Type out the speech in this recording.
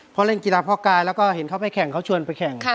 เพราะเล่นกีฬาพ่อกายแล้วก็เห็นเขาไปแข่งเขาชวนไปแข่ง